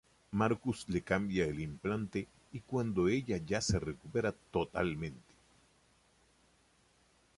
Marcus le cambia el implante, y cuándo ella ya se recupera totalmente.